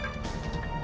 nih ini udah gampang